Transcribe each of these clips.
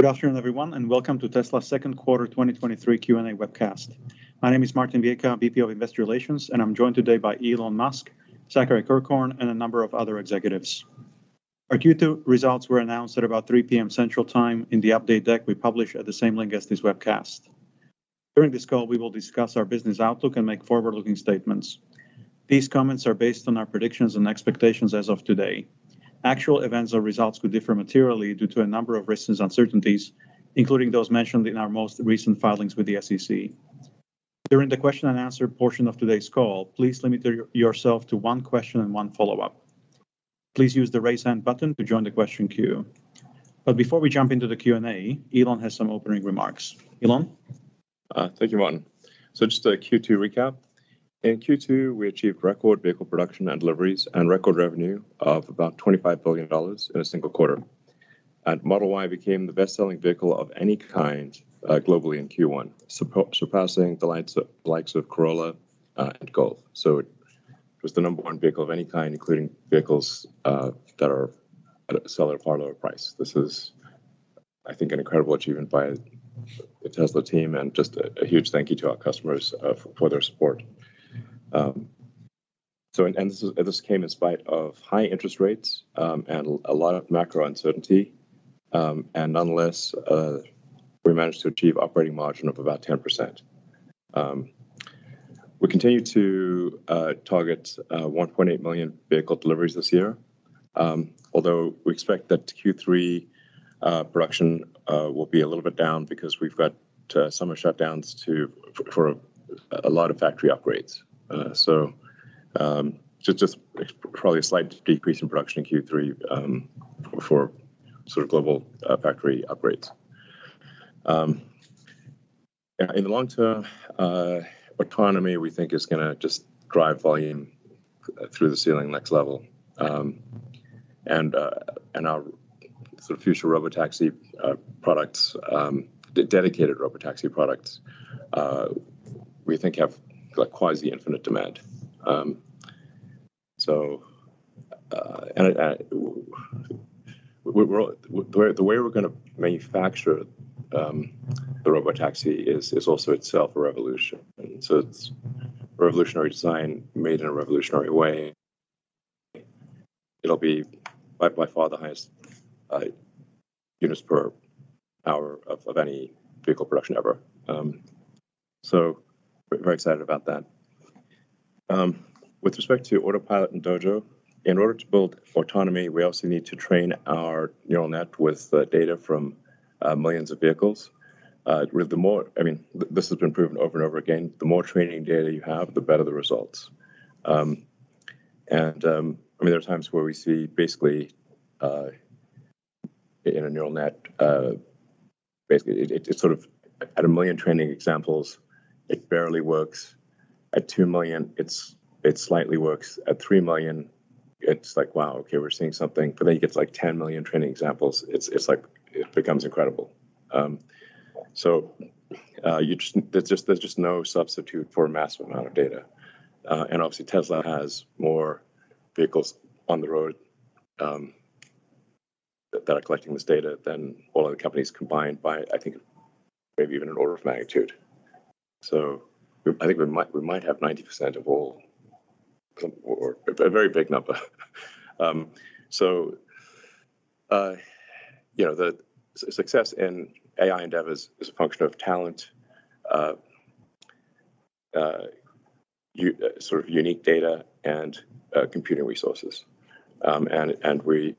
Good afternoon, everyone, welcome to Tesla's second quarter 2023 Q&A webcast. My name is Martin Viecha, VP of Investor Relations, I'm joined today by Elon Musk, Zachary Kirkhorn, and a number of other executives. Our Q2 results were announced at about 3:00 P.M. Central Time in the update deck we published at the same link as this webcast. During this call, we will discuss our business outlook and make forward-looking statements. These comments are based on our predictions and expectations as of today. Actual events or results could differ materially due to a number of risks and uncertainties, including those mentioned in our most recent filings with the SEC. During the question and answer portion of today's call, please limit yourself to 1 question and 1 follow-up. Please use the Raise Hand button to join the question queue. Before we jump into the Q&A, Elon has some opening remarks. Elon? Thank you, Martin. Just a Q2 recap. In Q2, we achieved record vehicle production and deliveries, and record revenue of about $25 billion in a single quarter. Model Y became the best-selling vehicle of any kind, globally in Q1, surpassing the likes of Corolla and Golf. It was the number one vehicle of any kind, including vehicles that are sell at a far lower price. This is, I think, an incredible achievement by the Tesla team, and just a huge thank you to our customers for their support. This came in spite of high interest rates and a lot of macro uncertainty, and nonetheless, we managed to achieve operating margin of about 10%. We continue to target 1.8 million vehicle deliveries this year, although we expect that Q3 production will be a little bit down because we've got summer shutdowns for a lot of factory upgrades. Just probably a slight decrease in production in Q3 for sort of global factory upgrades. In the long term, autonomy, we think is gonna just drive volume through the ceiling next level. Our sort of future Robotaxi products, the dedicated Robotaxi products, we think have, like, quasi-infinite demand. We're the way we're gonna manufacture the Robotaxi is also itself a revolution. It's revolutionary design made in a revolutionary way. It'll be by far the highest units per hour of any vehicle production ever. We're very excited about that. With respect to Autopilot and Dojo, in order to build autonomy, we also need to train our neural net with data from millions of vehicles. The more I mean, this has been proven over and over again, the more training data you have, the better the results. I mean, there are times where we see basically in a neural net, basically, it sort of at 1 million training examples, it barely works. At 2 million, it slightly works. At 3 million, it's like, "Wow, okay, we're seeing something," you get to, like, 10 million training examples, it's like it becomes incredible. You just, there's just no substitute for a massive amount of data. Obviously, Tesla has more vehicles on the road, that are collecting this data than all other companies combined by, I think, maybe even an order of magnitude. I think we might have 90% of all, or a very big number. You know, the success in AI endeavors is a function of talent, sort of unique data, and computing resources. We,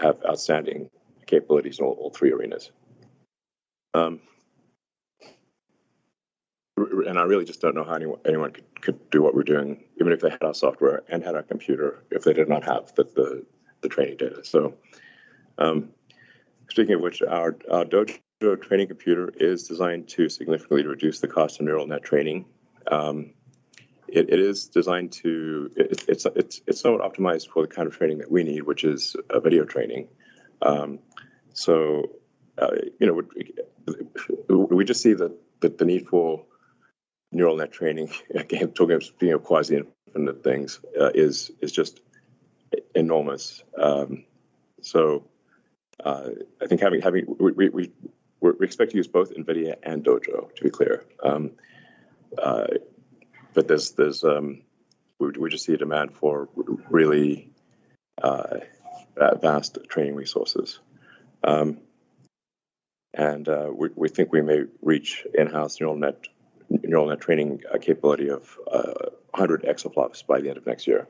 have outstanding capabilities in all three arenas. I really just don't know how anyone could do what we're doing, even if they had our software and had our computer, if they did not have the training data. Speaking of which, our Dojo training computer is designed to significantly reduce the cost of neural net training. It's sort of optimized for the kind of training that we need, which is video training. You know, we just see that the need for neural net training, again, talking of, you know, quasi-infinite things, is just enormous. I think we expect to use both NVIDIA and Dojo, to be clear. We just see a demand for really vast training resources. We think we may reach in-house neural net training capability of 100 exaflops by the end of next year.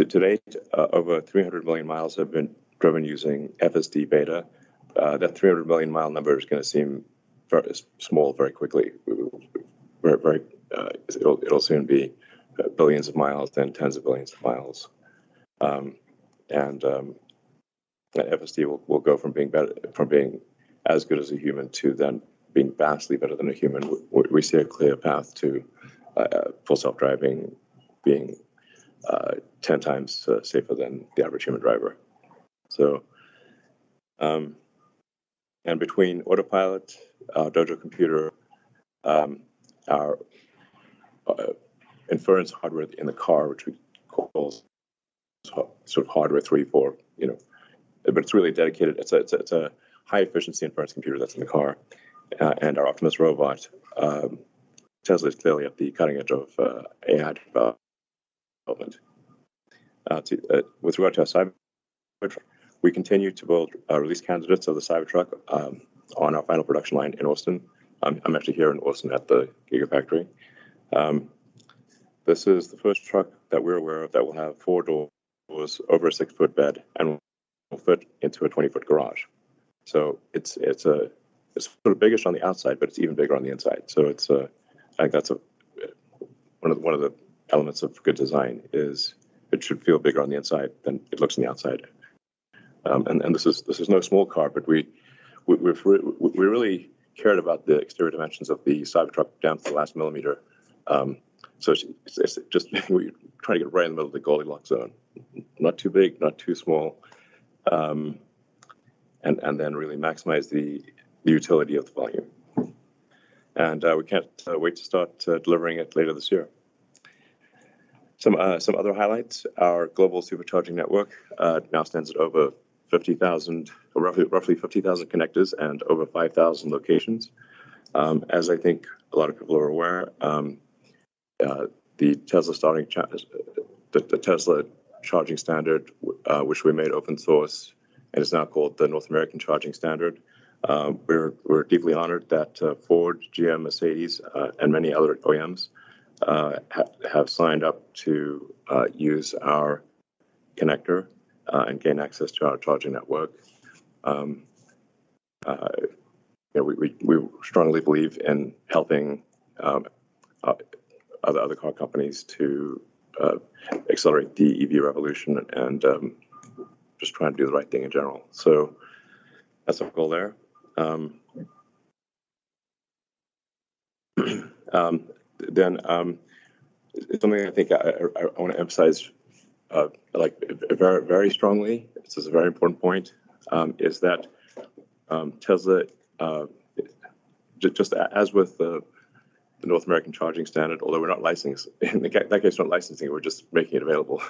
To date, over 300 million miles have been driven using FSD Beta. That 300 million mile number is gonna seem very small very quickly. It'll soon be billions of miles, then tens of billions of miles. The FSD will go from being as good as a human to then being vastly better than a human. We see a clear path to Full Self-Driving being 10 times safer than the average human driver. Between Autopilot, our Dojo computer, our inference hardware in the car, which we call sort of Hardware 3, 4, you know, but it's really dedicated. It's a high-efficiency inference computer that's in the car and our Optimus robot. Tesla is clearly at the cutting edge of AI development. With regard to our Cybertruck, we continue to build release candidates of the Cybertruck on our final production line in Austin. I'm actually here in Austin at the Gigafactory. This is the first truck that we're aware of that will have four doors, over a six-foot bed, and will fit into a 20-foot garage. It's sort of biggish on the outside, but it's even bigger on the inside. I think that's one of the elements of good design, is it should feel bigger on the inside than it looks on the outside. This is no small car, we really cared about the exterior dimensions of the Cybertruck down to the last millimeter. It's just we try to get right in the middle of the Goldilocks zone: not too big, not too small, then really maximize the utility of the volume. We can't wait to start delivering it later this year. Some other highlights. Our global Supercharging network now stands at over 50,000 connectors and over 5,000 locations. As I think a lot of people are aware, the Tesla charging standard, which we made open source, and it's now called the North American Charging Standard. We're deeply honored that Ford, General MotorsM, Mercedes, and many other OEMs have signed up to use our connector and gain access to our charging network. We strongly believe in helping other car companies to accelerate the EV revolution and just trying to do the right thing in general. That's our goal there. Something I think I want to emphasize, like, very, very strongly, this is a very important point, is that Tesla, just as with the North American Charging Standard, although we're not licensing, in that case, not licensing, we're just making it available.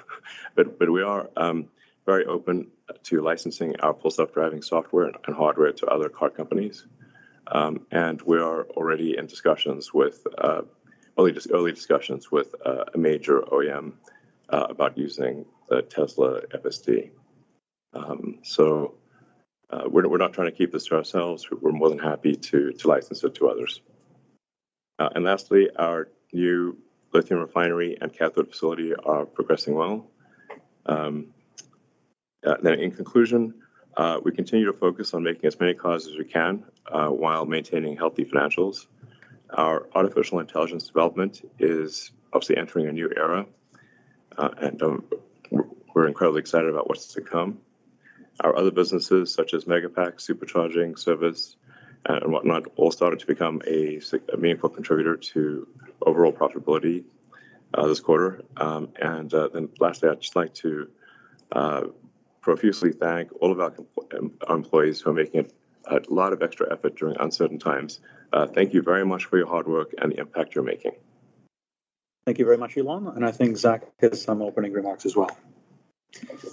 We are very open to licensing our Full Self-Driving software and hardware to other car companies. We are already in discussions with early discussions with a major OEM about using the Tesla FSD. We're not trying to keep this to ourselves. We're more than happy to license it to others. Lastly, our new lithium refinery and cathode facility are progressing well. In conclusion, we continue to focus on making as many cars as we can while maintaining healthy financials. Our artificial intelligence development is obviously entering a new era, and we're incredibly excited about what's to come. Our other businesses, such as Megapack, Supercharging, service, and whatnot, all started to become a meaningful contributor to overall profitability this quarter. Lastly, I'd just like to profusely thank all of our employees who are making a lot of extra effort during uncertain times. Thank you very much for your hard work and the impact you're making. Thank you very much, Elon. I think Zach has some opening remarks as well.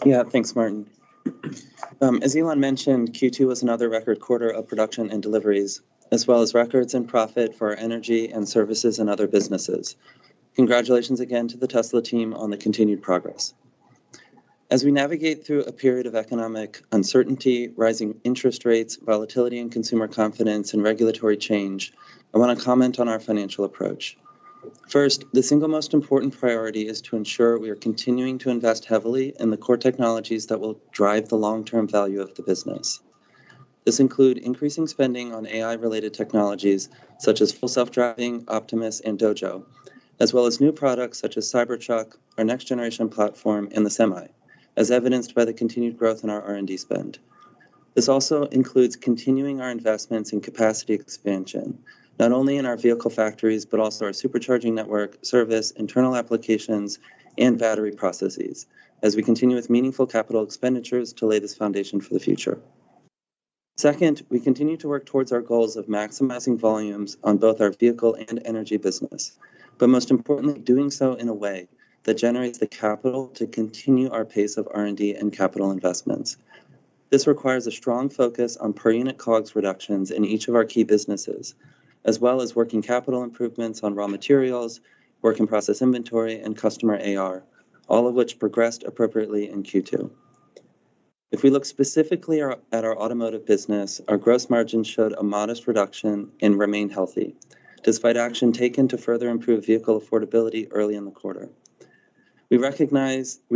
Yeah, thanks, Martin. As Elon mentioned, Q2 was another record quarter of production and deliveries, as well as records and profit for our energy and services and other businesses. Congratulations again to the Tesla team on the continued progress. As we navigate through a period of economic uncertainty, rising interest rates, volatility in consumer confidence, and regulatory change, I want to comment on our financial approach. First, the single most important priority is to ensure we are continuing to invest heavily in the core technologies that will drive the long-term value of the business. This include increasing spending on AI-related technologies such as Full Self-Driving, Optimus, and Dojo, as well as new products such as Cybertruck, our next-generation platform, and the Semi, as evidenced by the continued growth in our R&D spend. This also includes continuing our investments in capacity expansion, not only in our vehicle factories, but also our Supercharger network, service, internal applications, and battery processes, as we continue with meaningful capital expenditures to lay this foundation for the future. We continue to work towards our goals of maximizing volumes on both our vehicle and energy business, but most importantly, doing so in a way that generates the capital to continue our pace of R&D and capital investments. This requires a strong focus on per-unit COGS reductions in each of our key businesses, as well as working capital improvements on raw materials, work-in-process inventory, and customer AR, all of which progressed appropriately in Q2. If we look specifically at our automotive business, our gross margin showed a modest reduction and remained healthy, despite action taken to further improve vehicle affordability early in the quarter. We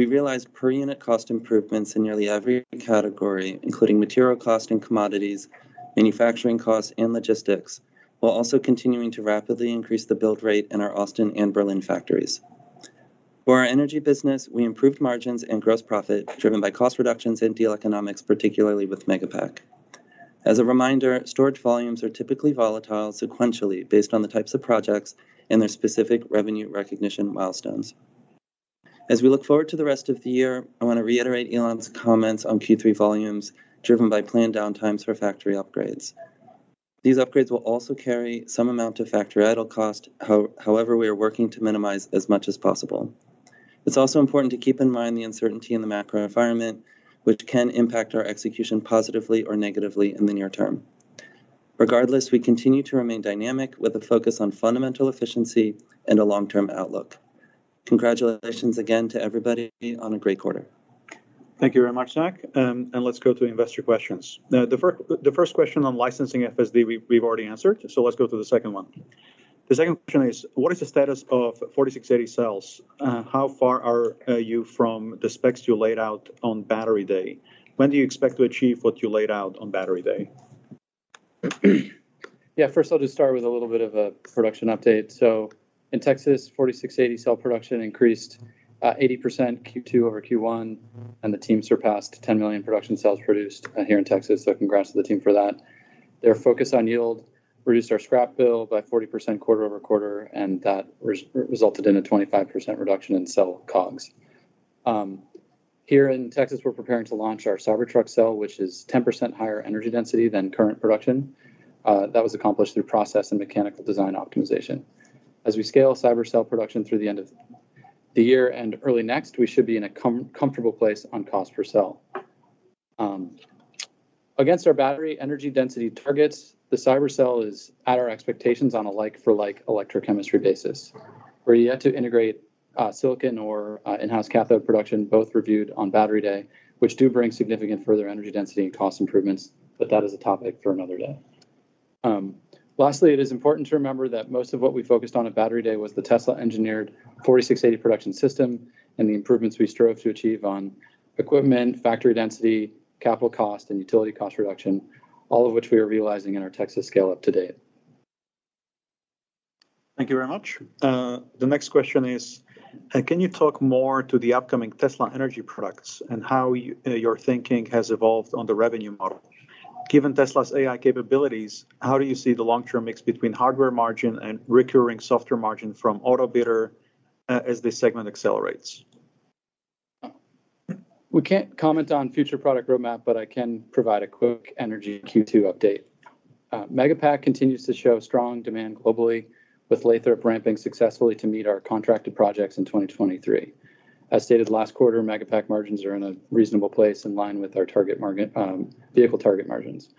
realized per-unit cost improvements in nearly every category, including material cost and commodities, manufacturing costs, and logistics, while also continuing to rapidly increase the build rate in our Austin and Berlin factories. For our energy business, we improved margins and gross profit, driven by cost reductions and deal economics, particularly with Megapack. As a reminder, storage volumes are typically volatile sequentially based on the types of projects and their specific revenue recognition milestones. As we look forward to the rest of the year, I want to reiterate Elon's comments on Q3 volumes, driven by planned downtimes for factory upgrades. These upgrades will also carry some amount of factory idle cost. However, we are working to minimize as much as possible. It's also important to keep in mind the uncertainty in the macro environment, which can impact our execution positively or negatively in the near term. Regardless, we continue to remain dynamic, with a focus on fundamental efficiency and a long-term outlook. Congratulations again to everybody on a great quarter. Thank you very much, Zach, let's go to investor questions. Now, the first question on licensing FSD, we've already answered, so let's go to the second one. The second question is: What is the status of 4680 cells? How far are you from the specs you laid out on Battery Day? When do you expect to achieve what you laid out on Battery Day? First, I'll just start with a little bit of a production update. In Texas, 4680 cell production increased 80% Q2-over-Q1, and the team surpassed 10 million production cells produced here in Texas, congrats to the team for that. Their focus on yield reduced our scrap bill by 40% quarter-over-quarter, and that resulted in a 25% reduction in cell COGS. Here in Texas, we're preparing to launch our Cybertruck cell, which is 10% higher energy density than current production. That was accomplished through process and mechanical design optimization. As we scale Cybercell production through the end of the year and early next, we should be in a comfortable place on cost per cell. Against our battery energy density targets, the Cybercell is at our expectations on a like for like electrochemistry basis. We're yet to integrate silicon or in-house cathode production, both reviewed on Battery Day, which do bring significant further energy density and cost improvements, but that is a topic for another day. Lastly, it is important to remember that most of what we focused on at Battery Day was the Tesla-engineered 4680 production system and the improvements we strove to achieve on equipment, factory density, capital cost, and utility cost reduction, all of which we are realizing in our Texas scale-up to date. Thank you very much. The next question is: Can you talk more to the upcoming Tesla Energy products and how your thinking has evolved on the revenue model? Given Tesla's AI capabilities, how do you see the long-term mix between hardware margin and recurring software margin from Autobidder as this segment accelerates? We can't comment on future product roadmap, but I can provide a quick energy Q2 update. Megapack continues to show strong demand globally, with Lathrop ramping successfully to meet our contracted projects in 2023. As stated last quarter, Megapack margins are in a reasonable place, in line with our target market, vehicle target margins.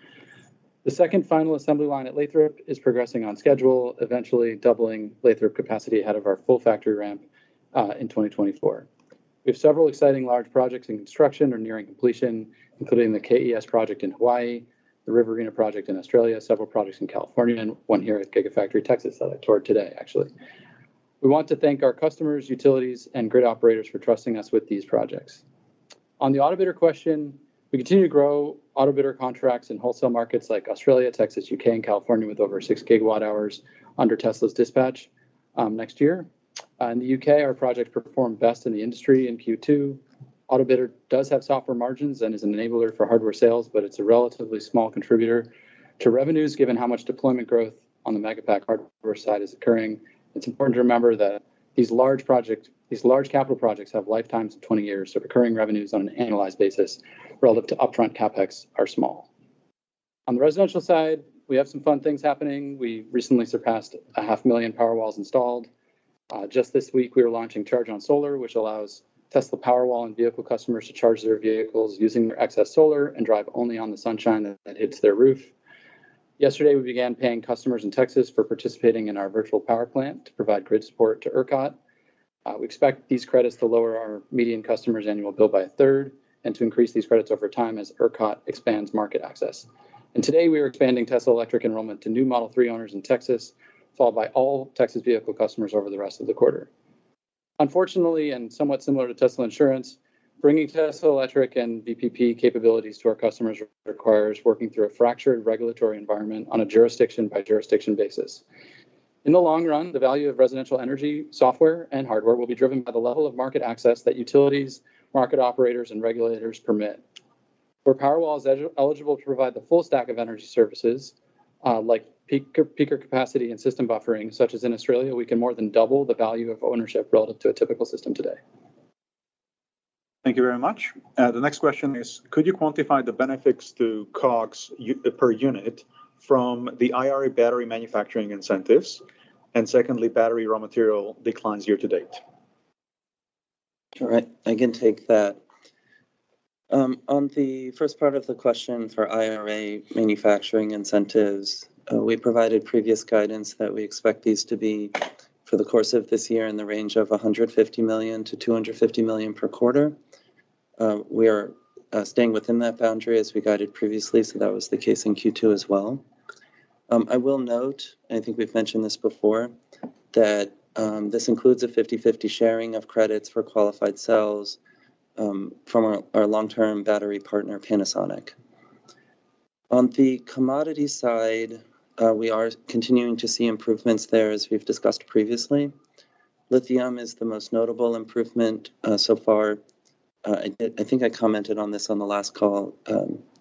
The second final assembly line at Lathrop is progressing on schedule, eventually doubling Lathrop capacity ahead of our full factory ramp in 2024. We have several exciting large projects in construction or nearing completion, including the KES project in Hawaii, the Riverina project in Australia, several projects in California, and one here at Gigafactory Texas that I toured today, actually. We want to thank our customers, utilities, and grid operators for trusting us with these projects. On the Autobidder question, we continue to grow Autobidder contracts in wholesale markets like Australia, Texas, U.K., and California, with over 6 gigawatt hours under Tesla's dispatch next year. In the U.K., our project performed best in the industry in Q2. Autobidder does have software margins and is an enabler for hardware sales, but it's a relatively small contributor to revenues, given how much deployment growth on the Megapack hardware side is occurring. It's important to remember that these large capital projects have lifetimes of 20 years, so recurring revenues on an annualized basis, relative to upfront CapEx, are small. On the residential side, we have some fun things happening. We recently surpassed a half million Powerwalls installed. Just this week, we are launching Charge on Solar, which allows Tesla Powerwall and vehicle customers to charge their vehicles using their excess solar and drive only on the sunshine that hits their roof. Yesterday, we began paying customers in Texas for participating in our virtual power plant to provide grid support to ERCOT. We expect these credits to lower our median customer's annual bill by a third and to increase these credits over time as ERCOT expands market access. Today, we are expanding Tesla Electric enrollment to new Model 3 owners in Texas, followed by all Texas vehicle customers over the rest of the quarter. Unfortunately, somewhat similar to Tesla Insurance, bringing Tesla Electric and VPP capabilities to our customers requires working through a fractured regulatory environment on a jurisdiction-by-jurisdiction basis. In the long run, the value of residential energy, software, and hardware will be driven by the level of market access that utilities, market operators, and regulators permit. For Powerwall's eligible to provide the full stack of energy services, like peaker capacity and system buffering, such as in Australia, we can more than double the value of ownership relative to a typical system today. Thank you very much. The next question is: Could you quantify the benefits to COGS per unit from the IRA battery manufacturing incentives, and secondly, battery raw material declines year to date? All right, I can take that. On the first part of the question for IRA manufacturing incentives, we provided previous guidance that we expect these to be, for the course of this year, in the range of $150 million-$250 million per quarter. We are staying within that boundary as we guided previously, so that was the case in Q2 as well. I will note, and I think we've mentioned this before, that this includes a 50/50 sharing of credits for qualified cells from our long-term battery partner, Panasonic. On the commodity side, we are continuing to see improvements there, as we've discussed previously. Lithium is the most notable improvement so far. I think I commented on this on the last call,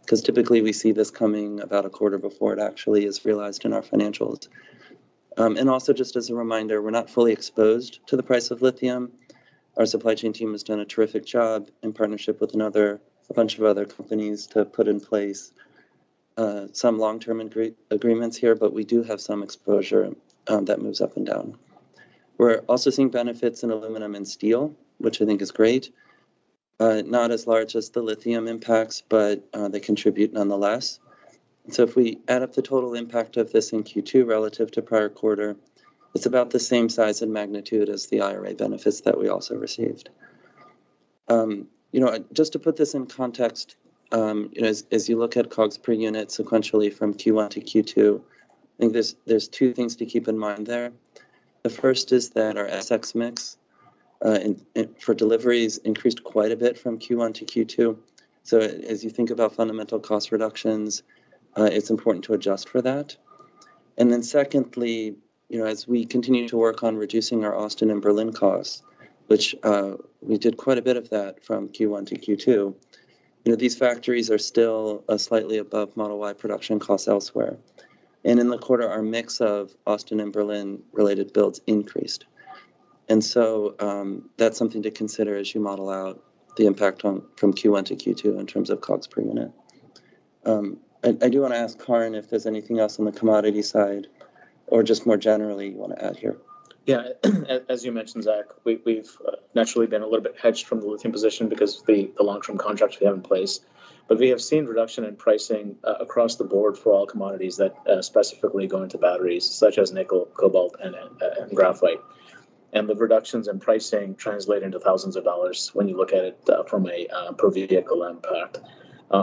'cause typically we see this coming about a quarter before it actually is realized in our financials. Also, just as a reminder, we're not fully exposed to the price of lithium. Our supply chain team has done a terrific job in partnership with a bunch of other companies, to put in place some long-term agreements here, but we do have some exposure that moves up and down. We're also seeing benefits in aluminum and steel, which I think is great, not as large as the lithium impacts, but they contribute nonetheless. If we add up the total impact of this in Q2 relative to prior quarter, it's about the same size and magnitude as the IRA benefits that we also received. You know, just to put this in context, you know, as you look at COGS per unit sequentially from Q1 to Q2, I think there's two things to keep in mind there. The first is that our SX mix for deliveries increased quite a bit from Q1 to Q2, so as you think about fundamental cost reductions, it's important to adjust for that. Secondly, you know, as we continue to work on reducing our Austin and Berlin costs, which we did quite a bit of that from Q1 to Q2, you know, these factories are still slightly above Model Y production costs elsewhere. In the quarter, our mix of Austin and Berlin-related builds increased. That's something to consider as you model out the impact on, from Q1 to Q2 in terms of COGS per unit. I do want to ask Karn if there's anything else on the commodity side or just more generally you want to add here? As you mentioned, Zach, we've naturally been a little bit hedged from the lithium position because the long-term contracts we have in place. We have seen reduction in pricing across the board for all commodities that specifically go into batteries, such as nickel, cobalt, and graphite. The reductions in pricing translate into thousands of dollars when you look at it from a per-vehicle impact.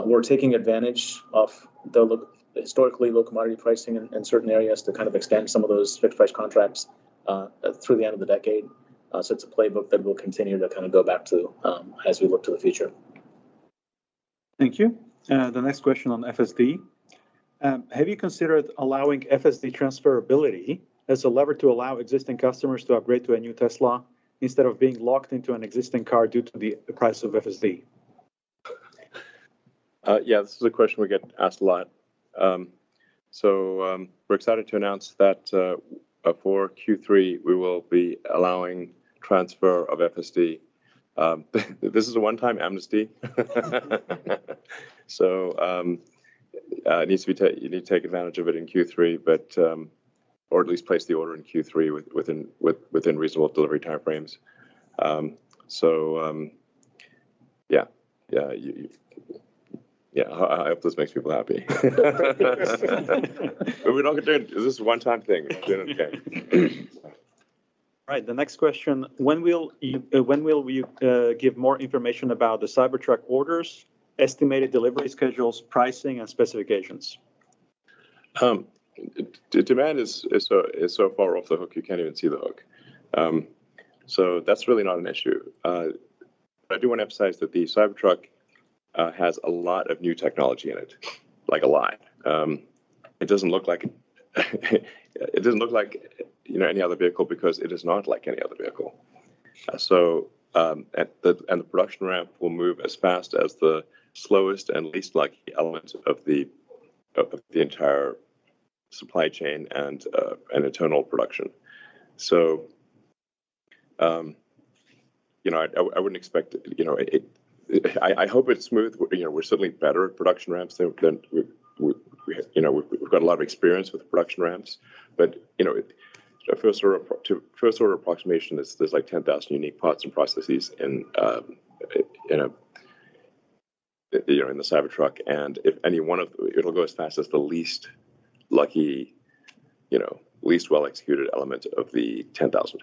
We're taking advantage of the historically low commodity pricing in certain areas to kind of extend some of those fixed price contracts through the end of the decade. It's a playbook that we'll continue to kind of go back to as we look to the future. Thank you. The next question on FSD. Have you considered allowing FSD transferability as a lever to allow existing customers to upgrade to a new Tesla, instead of being locked into an existing car due to the price of FSD? Yeah, this is a question we get asked a lot. we're excited to announce that for Q3, we will be allowing transfer of FSD. This is a one-time amnesty. it needs to be you need to take advantage of it in Q3, but or at least place the order in Q3 within reasonable delivery time frames. Yeah, you. Yeah, I hope this makes people happy. we're not gonna do it, this is a one-time thing. We're not doing it again. All right, the next question: When will you give more information about the Cybertruck orders, estimated delivery schedules, pricing, and specifications? Demand is so far off the hook, you can't even see the hook. That's really not an issue. I do want to emphasize that the Cybertruck has a lot of new technology in it, like, a lot. It doesn't look like, it doesn't look like, you know, any other vehicle because it is not like any other vehicle. The production ramp will move as fast as the slowest and least lucky element of the entire supply chain and internal production. You know, I, I wouldn't expect, you know, it. I hope it's smooth. You know, we're certainly better at production ramps than we, you know, we've got a lot of experience with production ramps. You know, it, a first order to first-order approximation is there's, like, 10,000 unique parts and processes in, you know, in the Cybertruck, and if any one of them, it'll go as fast as the least lucky, you know, least well-executed element of the 10,000.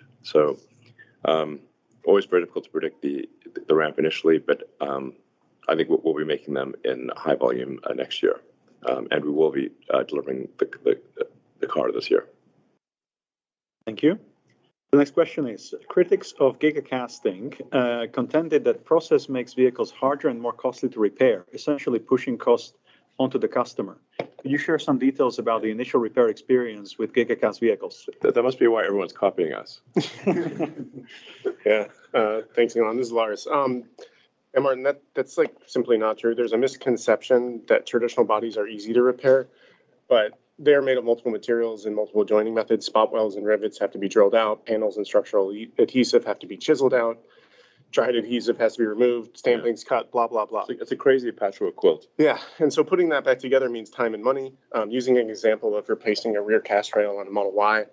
Always very difficult to predict the ramp initially, but, I think we'll be making them in high volume, next year. We will be delivering the car this year. Thank you. The next question is: Critics of gigacasting contended that process makes vehicles harder and more costly to repair, essentially pushing cost onto the customer. Can you share some details about the initial repair experience with gigacast vehicles? That must be why everyone's copying us. Yeah. Thanks, Milan. This is Lars. Martin, that's, like, simply not true. There's a misconception that traditional bodies are easy to repair. They are made of multiple materials and multiple joining methods. Spot welds and rivets have to be drilled out, panels and structural adhesive have to be chiseled out, dried adhesive has to be removed. Yeah... stampings cut, blah, blah. It's a crazy patchwork quilt. Yeah. Putting that back together means time and money. Using an example of replacing a rear cast rail on a Model Y,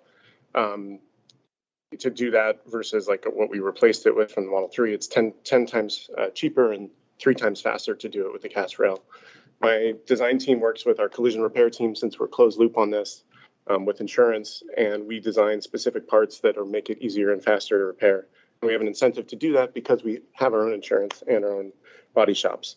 to do that, versus, like, what we replaced it with from the Model 3, it's 10 times cheaper and 3 times faster to do it with a cast rail. My design team works with our collision repair team, since we're closed loop on this, with insurance, and we design specific parts that will make it easier and faster to repair. We have an incentive to do that because we have our own insurance and our own body shops.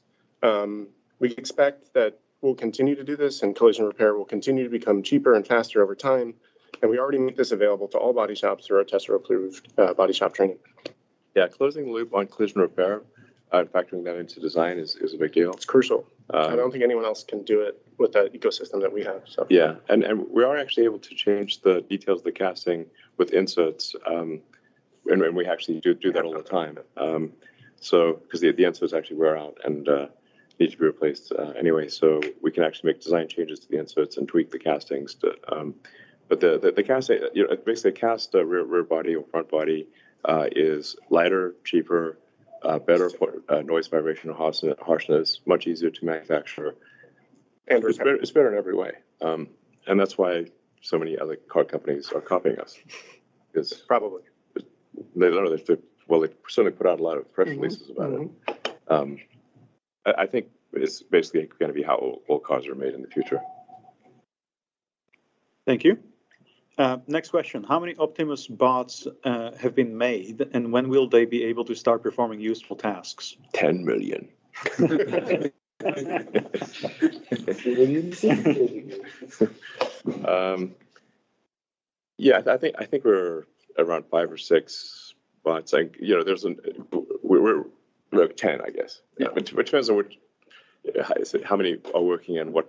We expect that we'll continue to do this, and collision repair will continue to become cheaper and faster over time, and we already make this available to all body shops through our Tesla-approved body shop training. Closing the loop on collision repair, factoring that into design is a big deal. It's crucial. Uh- I don't think anyone else can do it with that ecosystem that we have, so. Yeah. We are actually able to change the details of the casting with inserts. We actually do that all the time. 'Cause the inserts actually wear out and need to be replaced anyway. We can actually make design changes to the inserts and tweak the castings to. The cast, you know, basically, cast the rear body or front body is lighter, cheaper, better for noise, vibration, and harshness, much easier to manufacture, and it's better in every way. That's why so many other car companies are copying us. Probably. They learn that Well, they certainly put out a lot of press releases about it. Mm-hmm. Mm-hmm. I think it's basically gonna be how all cars are made in the future. Thank you. Next question: How many Optimus bots have been made, and when will they be able to start performing useful tasks? $10 million. Yeah, I think we're around 5 or 6 bots, like, you know, we're like 10, I guess. Yeah. It depends on how many are working and what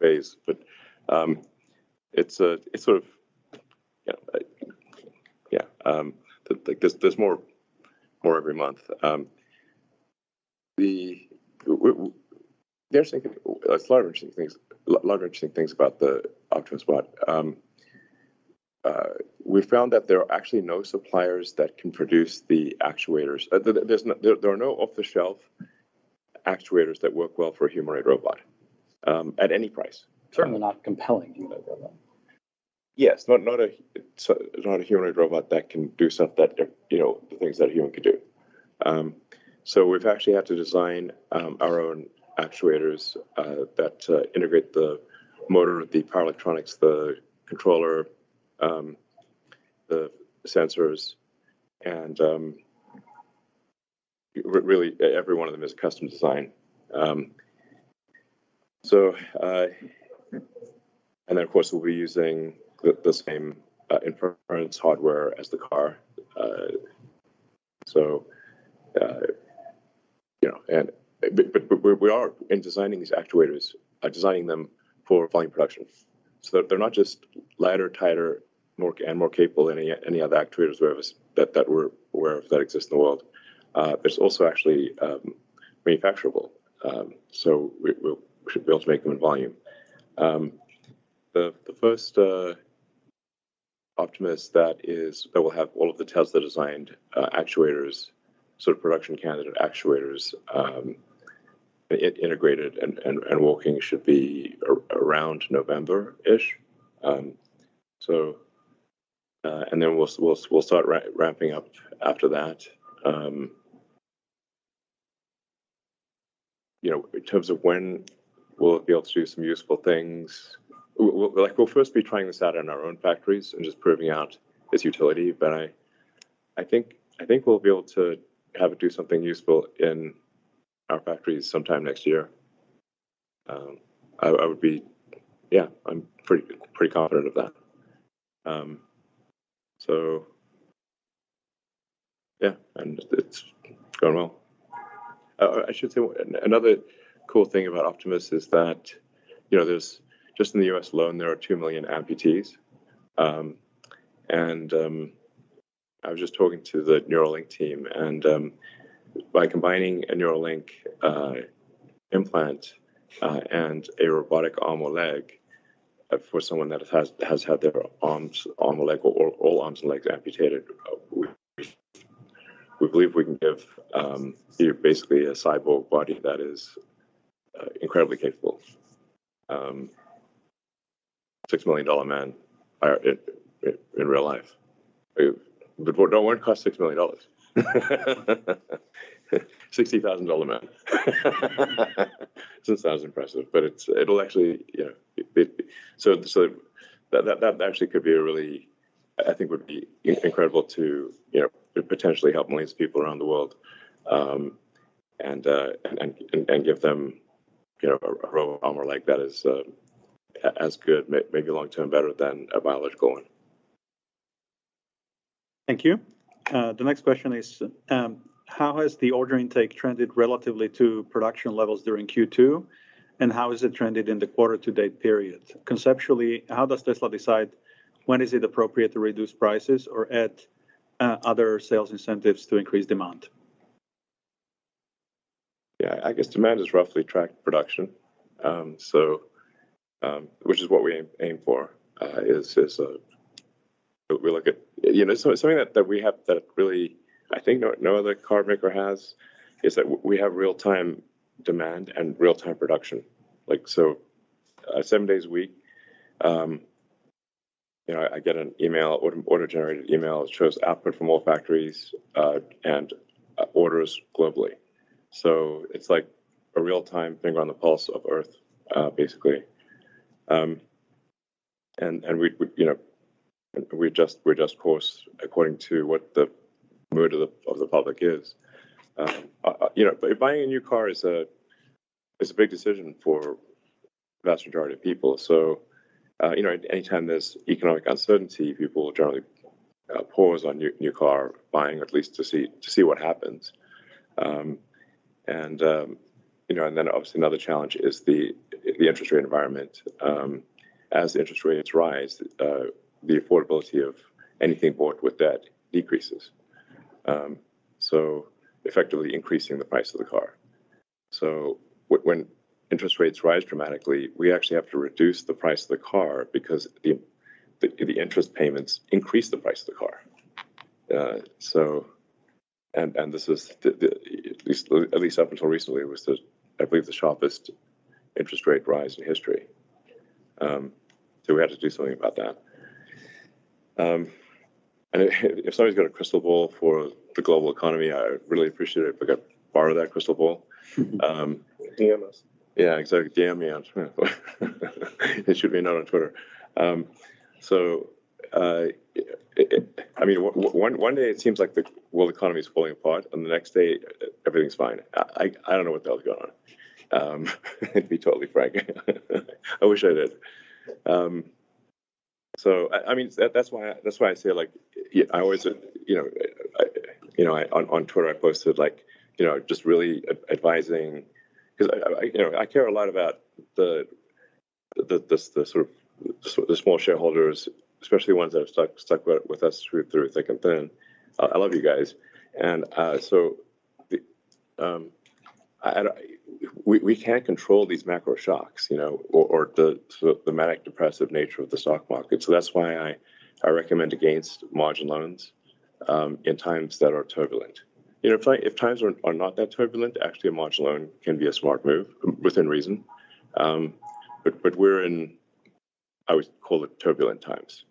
phase. It's a, it's sort of, yeah, there's more every month. There are some, a lot of interesting things about the Optimus bot. We found that there are actually no suppliers that can produce the actuators. There are no off-the-shelf actuators that work well for a humanoid robot, at any price. Certainly not compelling humanoid robot. Yes. Not, not a so not a humanoid robot that can do stuff that, you know, the things that a human can do. We've actually had to design our own actuators that integrate the motor, the power electronics, the controller, the sensors, and really, every one of them is custom-designed. Of course, we'll be using the same inference hardware as the car. You know, we are in designing these actuators, are designing them for volume production. They're not just lighter, tighter, and more capable than any other actuators we're aware of that exist in the world. It's also actually manufacturable. We should be able to make them in volume. The first Optimus that will have all of the Tesla-designed actuators, sort of production candidate actuators, integrated and working, should be around November-ish. Then we'll start ramping up after that. You know, in terms of when we'll be able to do some useful things, like, we'll first be trying this out in our own factories and just proving out its utility, but I think we'll be able to have it do something useful in our factories sometime next year. Yeah, I'm pretty confident of that. It's going well. I should say, another cool thing about Optimus is that, you know, there's just in the U.S. alone, there are 2 million amputees. I was just talking to the Neuralink team, by combining a Neuralink implant and a robotic arm or leg for someone that has had their arms, arm or leg, or all arms and legs amputated, we believe we can give basically a cyborg body that is incredibly capable. Six Million Dollar Man in real life. It won't cost $6 million. $60,000 man. Still sounds impressive, but it'll actually, you know... That actually could be I think would be incredible to, you know, to potentially help millions of people around the world, and give them, you know, a robot arm or leg that is as good, maybe long-term better than a biological one. Thank you. The next question is: How has the order intake trended relatively to production levels during Q2, and how has it trended in the quarter-to-date period? Conceptually, how does Tesla decide when is it appropriate to reduce prices or add other sales incentives to increase demand? Yeah, I guess demand has roughly tracked production. Which is what we aim for. You know, something that we have that really, I think, no other car maker has, is that we have real-time demand and real-time production. seven days a week, you know, I get an order-generated email. It shows output from all factories and orders globally. It's like a real-time finger on the pulse of Earth, basically. We, you know, we adjust course according to what the mood of the public is. You know, buying a new car is a big decision for vast majority of people. You know, anytime there's economic uncertainty, people will generally pause on new car buying, at least to see what happens. You know, then obviously another challenge is the interest rate environment. As the interest rates rise, the affordability of anything bought with debt decreases. Effectively increasing the price of the car. When interest rates rise dramatically, we actually have to reduce the price of the car because the interest payments increase the price of the car. This is the, at least up until recently, it was the, I believe, the sharpest interest rate rise in history. We had to do something about that. If somebody's got a crystal ball for the global economy, I would really appreciate it if I could borrow that crystal ball. DM us. Yeah, exactly. DM me on Twitter. It should be not on Twitter. I mean, one day it seems like the world economy is falling apart, and the next day, everything's fine. I don't know what the hell is going on, to be totally frank. I wish I did. I mean, that's why I, that's why I say, like, I always, you know, I, on Twitter, I posted like, you know, just really advising because I, you know, I care a lot about the sort of, the small shareholders, especially ones that have stuck with us through thick and thin. I love you guys. The. We can't control these macro shocks, you know, or the sort of the manic depressive nature of the stock market. That's why I recommend against margin loans in times that are turbulent. You know, if times are not that turbulent, actually, a margin loan can be a smart move within reason. We're in, I would call it turbulent times.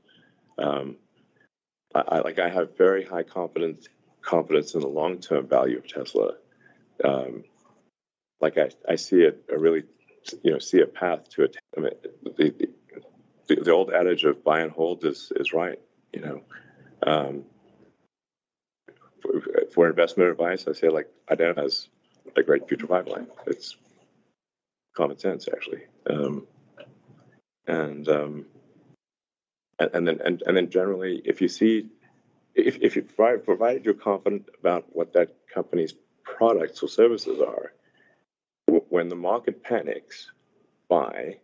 I, like, I have very high confidence in the long-term value of Tesla. Like, I see a really, you know, see a path to attainment. The old adage of buy and hold is right, you know. For investment advice, I say, like, identify a great future pipeline. It's common sense, actually. Then generally, if you, provided you're confident about what that company's products or services are, when the market panics, buy,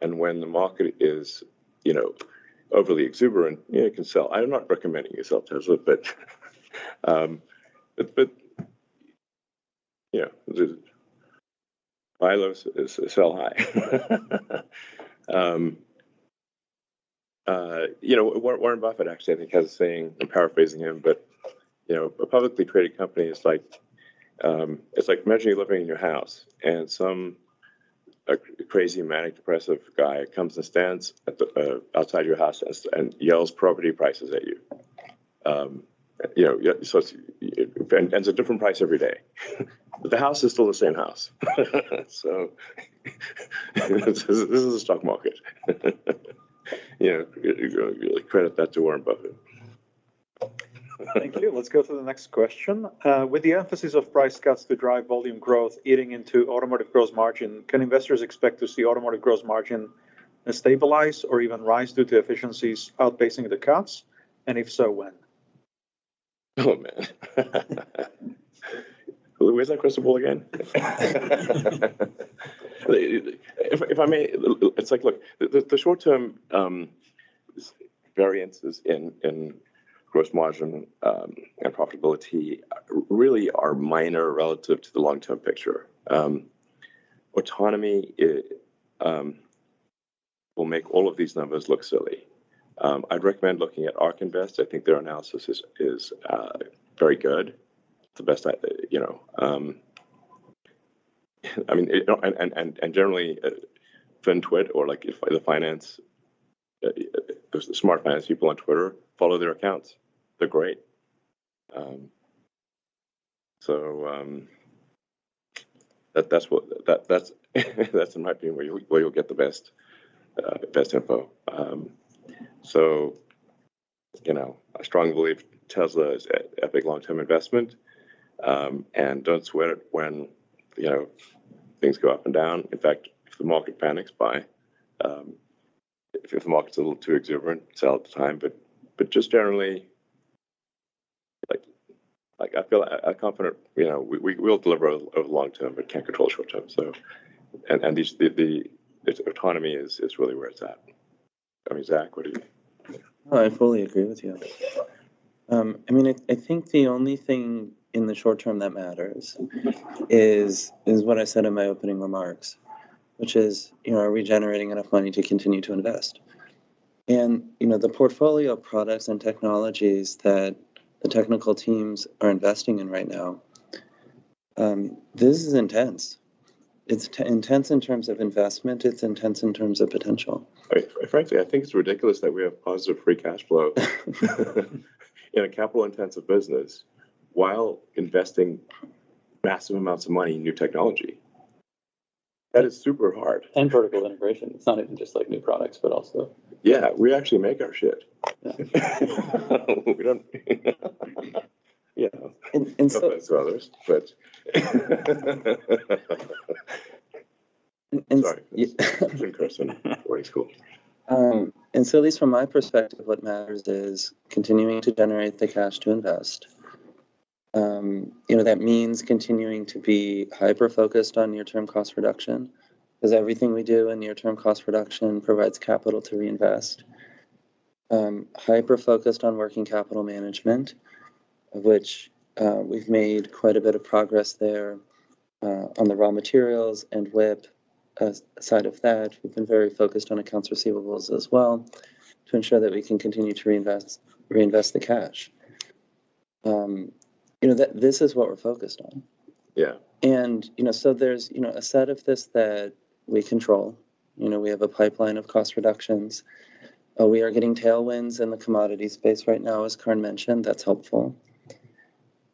and when the market is, you know, overly exuberant, you know, you can sell. I'm not recommending you sell Tesla, but yeah, buy low, sell high. You know, Warren Buffett actually, I think, has a saying, I'm paraphrasing him, but, you know, a publicly traded company is like, it's like imagining living in your house, and some, like, crazy, manic depressive guy comes and stands at the outside your house and yells property prices at you. You know, yeah, so it's. It's a different price every day, but the house is still the same house. This is the stock market. You know, you credit that to Warren Buffett. Thank you. Let's go to the next question. With the emphasis of price cuts to drive volume growth eating into automotive gross margin, can investors expect to see automotive gross margin stabilize or even rise due to efficiencies outpacing the cuts? If so, when? Oh, man. Where's that crystal ball again? If, if I may, look, it's like, look, the short-term variances in gross margin and profitability really are minor relative to the long-term picture. Autonomy, it will make all of these numbers look silly. I'd recommend looking at ARK Invest. I think their analysis is very good. It's the best I, you know. I mean, it, and generally, FinTwit or, like, if the finance, the smart finance people on Twitter, follow their accounts. They're great. That's in my opinion, where you'll get the best info. You know, I strongly believe Tesla is an epic long-term investment, and don't sweat it when, you know, things go up and down. In fact, if the market panics, buy. If the market's a little too exuberant, sell at the time. Just generally, like, I feel confident, you know, we'll deliver over long term but can't control the short term, so. These, the, autonomy is really where it's at. I mean, Zach, what do you think? I fully agree with you. I mean, I think the only thing in the short term that matters is what I said in my opening remarks, which is, you know, are we generating enough money to continue to invest? You know, the portfolio of products and technologies that the technical teams are investing in right now, this is intense. It's intense in terms of investment, it's intense in terms of potential. I frankly think it's ridiculous that we have positive free cash flow, in a capital-intensive business while investing massive amounts of money in new technology. That is super hard. vertical integration. It's not even just, like, new products, but also- Yeah, we actually make our. Yeah. As others, but. Sorry, Kirsten. Worry, it's cool. At least from my perspective, what matters is continuing to generate the cash to invest. You know, that means continuing to be hyper-focused on near-term cost reduction, because everything we do in near-term cost reduction provides capital to reinvest. Hyper-focused on working capital management, of which, we've made quite a bit of progress there, on the raw materials and WIP. Aside of that, we've been very focused on accounts receivables as well, to ensure that we can continue to reinvest the cash. You know, this is what we're focused on. Yeah. You know, there's, you know, a set of this that we control. You know, we have a pipeline of cost reductions, we are getting tailwinds in the commodity space right now, as Karn mentioned, that's helpful.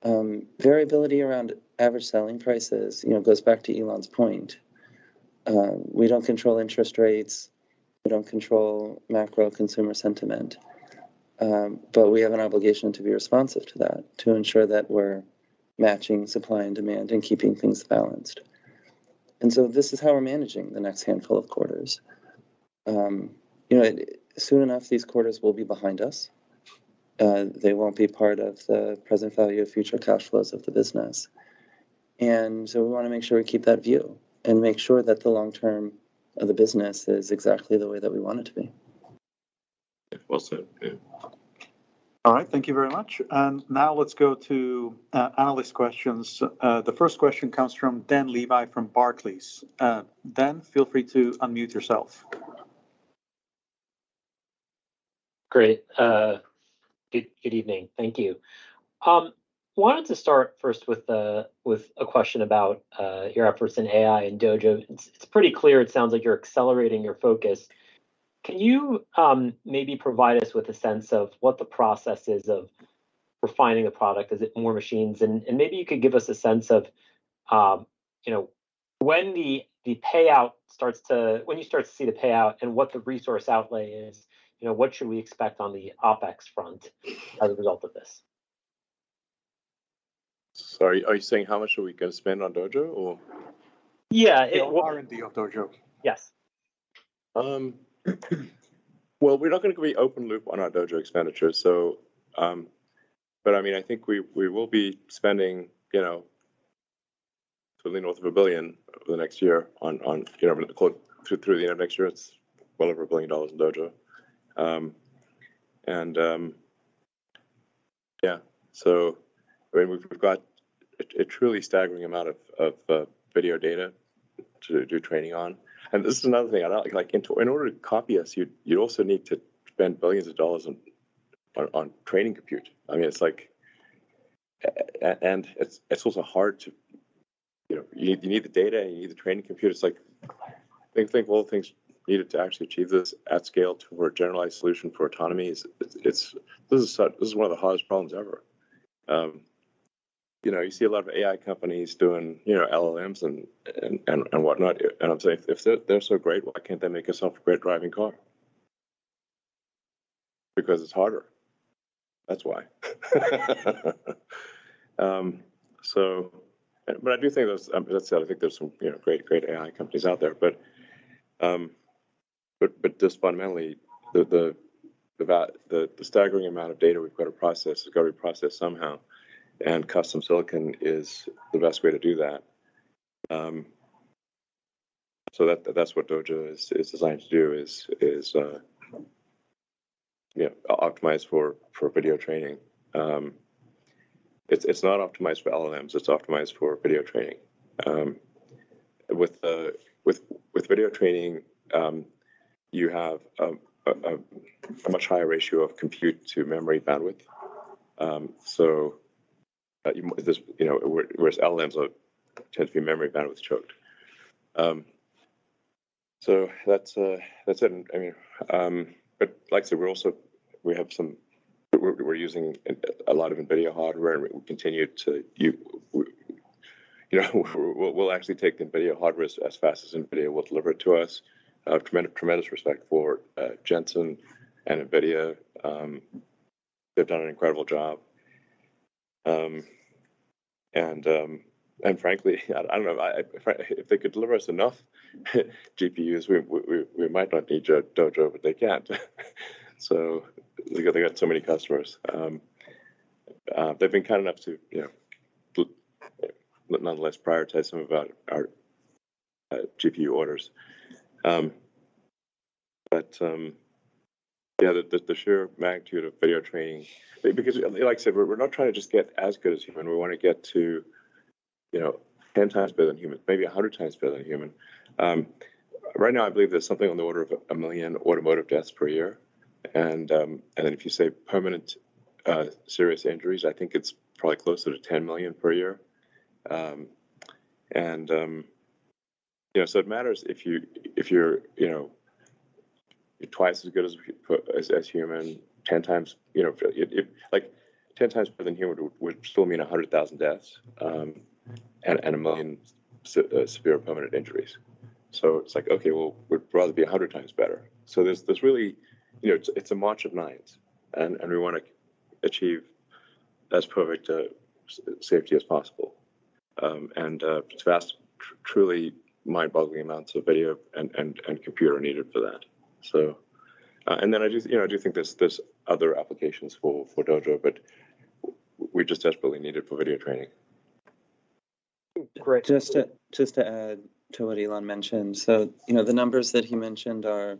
Variability around average selling prices, you know, goes back to Elon's point. We don't control interest rates, we don't control macro consumer sentiment, but we have an obligation to be responsive to that, to ensure that we're matching supply and demand and keeping things balanced. This is how we're managing the next handful of quarters. You know, soon enough, these quarters will be behind us. They won't be part of the present value of future cash flows of the business. We wanna make sure we keep that view, and make sure that the long term of the business is exactly the way that we want it to be. Well said. Yeah. All right. Thank you very much. Now let's go to analyst questions. The first question comes from Dan Levy, from Barclays. Dan, feel free to unmute yourself. Great. Good evening. Thank you. Wanted to start first with a question about your efforts in AI and Dojo. It's pretty clear, it sounds like you're accelerating your focus. Can you maybe provide us with a sense of what the process is of refining a product? Is it more machines? Maybe you could give us a sense of, you know, when you start to see the payout and what the resource outlay is, you know, what should we expect on the OpEx front as a result of this? Sorry, are you saying how much are we gonna spend on Dojo, or? Yeah. The R&D of Dojo. Yes. Well, we're not going to be open loop on our Dojo expenditures, so. I mean, I think we will be spending, you know, certainly north of $1 billion over the next year on, you know, through the end of next year, it's well over $1 billion in Dojo. Yeah, so I mean, we've got a truly staggering amount of video data to do training on. This is another thing, like, in order to copy us, you'd also need to spend billions of dollars on training compute. I mean, it's like, and it's also hard to, you know, you need the data, and you need the training compute. It's like, think of all the things needed to actually achieve this at scale to a generalized solution for autonomy, this is one of the hardest problems ever. You know, you see a lot of AI companies doing, you know, LLMs and whatnot. I'm saying, "If they're so great, why can't they make a self-driving car?" Because it's harder, that's why. But I do think there's, let's say I think there's some, you know, great AI companies out there, but just fundamentally, the staggering amount of data we've got to process, we've got to reprocess somehow, and custom silicon is the best way to do that. That's what Dojo is designed to do, yeah, optimize for video training. It's not optimized for LLMs, it's optimized for video training. With video training, you have a much higher ratio of compute to memory bandwidth. You know, whereas LLMs are tend to be memory bandwidth choked. That's it. I mean, but like I said, we're using a lot of NVIDIA hardware. You know, we'll actually take the NVIDIA hardware as fast as NVIDIA will deliver it to us. Tremendous respect for Jensen and NVIDIA. They've done an incredible job. If they could deliver us enough GPUs, we might not need Dojo, but they can't. They got so many customers. They've been kind enough to, you know, nonetheless, prioritize some of our GPU orders. The sheer magnitude of video training. Because, like I said, we're not trying to just get as good as human, we wanna get to, you know, 10 times better than human, maybe 100 times better than human. Right now, I believe there's something on the order of 1 million automotive deaths per year. If you say permanent, serious injuries, I think it's probably closer to 10 million per year. You know, it matters if you're, you know, twice as good as human, ten times, you know, if. Like, ten times better than human would still mean 100,000 deaths, and 1 million severe permanent injuries. It's like, okay, well, we'd rather be 100 times better. There's really, you know, it's a march of nines, and we wanna achieve as perfect safety as possible. That's truly mind-boggling amounts of video and computer are needed for that. I do, you know, think there's other applications for Dojo, but we just desperately need it for video training. Great- Just to add to what Elon mentioned. You know, the numbers that he mentioned are,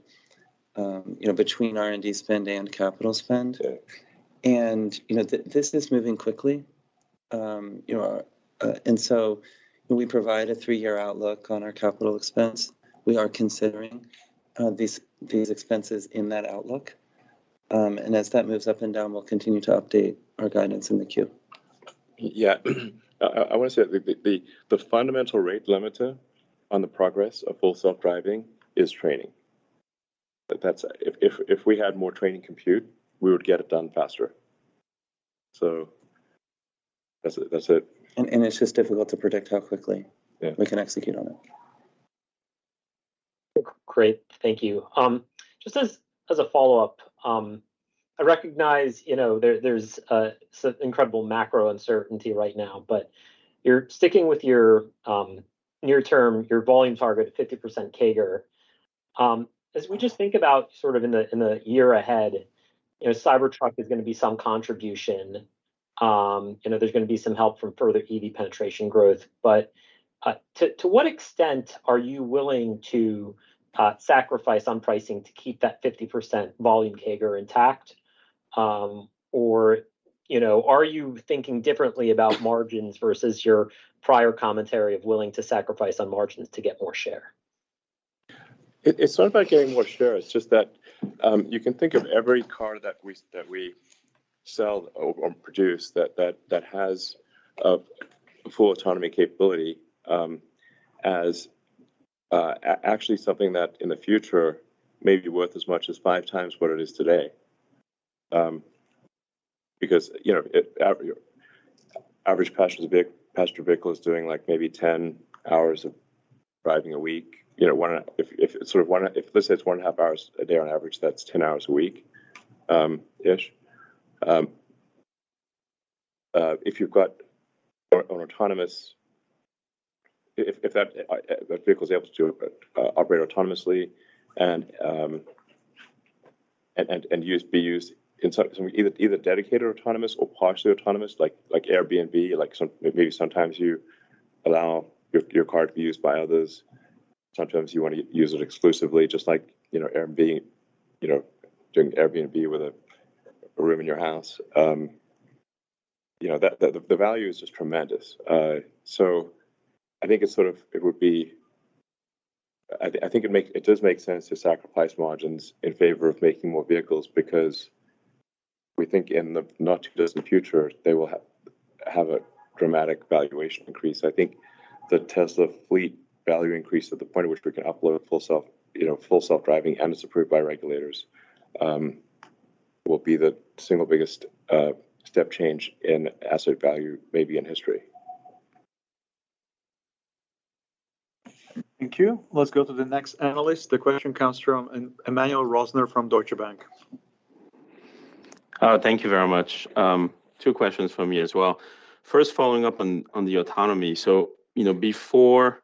you know, between R&D spend and capital spend. Yeah. You know, this is moving quickly. You know, we provide a three-year outlook on our CapEx. We are considering these expenses in that outlook. As that moves up and down, we'll continue to update our guidance in the Q. Yeah. I wanna say that the fundamental rate limiter on the progress of Full Self-Driving is training. If we had more training compute, we would get it done faster. That's it, that's it. It's just difficult to predict. Yeah we can execute on it. Great. Thank you. Just as a follow-up, I recognize, you know, there's some incredible macro uncertainty right now, but you're sticking with your near term, your volume target of 50% CAGR. As we just think about sort of in the year ahead, you know, Cybertruck is gonna be some contribution. You know, there's gonna be some help from further EV penetration growth, but to what extent are you willing to sacrifice on pricing to keep that 50% volume CAGR intact? Or, you know, are you thinking differently about margins versus your prior commentary of willing to sacrifice on margins to get more share? It's not about getting more share, it's just that, you can think of every car that we sell or produce that has a full autonomy capability, actually something that in the future may be worth as much as five times what it is today. You know, your average passenger vehicle is doing, like, maybe 10 hours of driving a week. You know, if let's say it's 1.5 hours a day on average, that's 10 hours a week, ish. If you've got an autonomous... If that vehicle is able to operate autonomously and be used in some either dedicated autonomous or partially autonomous, like Airbnb, like maybe sometimes you allow your car to be used by others, sometimes you want to use it exclusively, just like, you know, Airbnb. You know, doing Airbnb with a room in your house. You know, the value is just tremendous. I think it does make sense to sacrifice margins in favor of making more vehicles because we think in the not-too-distant future, they will have a dramatic valuation increase. I think the Tesla fleet value increase to the point at which we can upload Full Self-Driving, and it's approved by regulators, will be the single biggest step change in asset value, maybe in history. Thank you. Let's go to the next analyst. The question comes from an Emmanuel Rosner from Deutsche Bank. Thank you very much. Two questions from me as well. First, following up on the autonomy. You know, before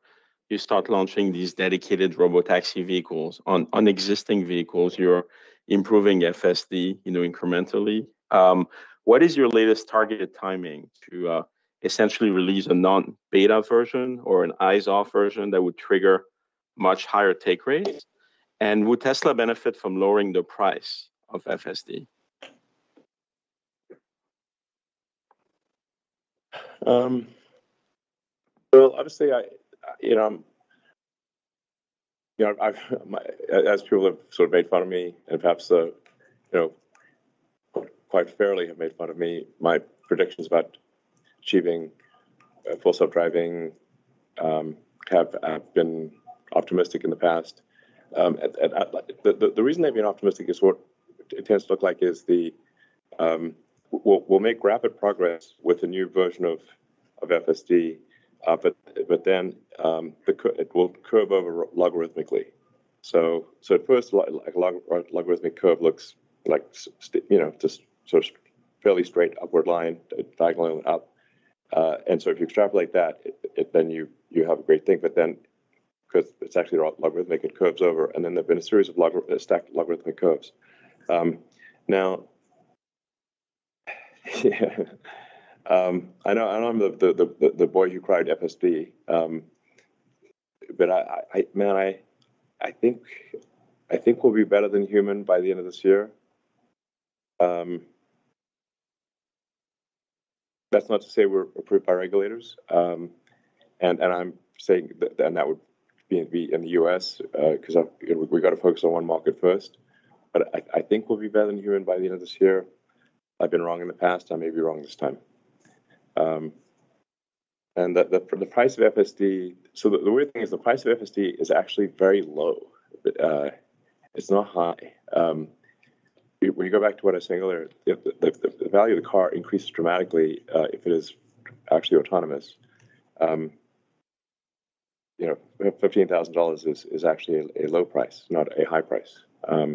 you start launching these dedicated Robotaxi vehicles on existing vehicles, you're improving FSD, you know, incrementally. What is your latest targeted timing to essentially release a non-beta version or an eyes-off version that would trigger much higher take rates? Would Tesla benefit from lowering the price of FSD? Well, obviously, I, you know, you know, I've as people have sort of made fun of me, and perhaps, you know, quite fairly have made fun of me, my predictions about achieving, Full Self-Driving, have been optimistic in the past. The reason I've been optimistic is what it tends to look like is the, we'll make rapid progress with a new version of FSD, but then, it will curve over logarithmically. At first, like a logarithmic curve looks like you know, just sort of fairly straight upward line, diagonally up. If you extrapolate that, then you have a great thing, but then 'cause it's actually logarithmic, it curves over, and then there've been a series of stacked logarithmic curves. Now, I know I'm the boy who cried FSD. I think we'll be better than human by the end of this year. That's not to say we're approved by regulators, and I'm saying that, and that would be in the U.S., 'cause we've got to focus on one market first. I think we'll be better than human by the end of this year. I've been wrong in the past. I may be wrong this time. The weird thing is the price of FSD is actually very low, it's not high. If we go back to what I was saying earlier, the value of the car increases dramatically, if it is actually autonomous. you know, $15,000 is actually a low price, not a high price. Now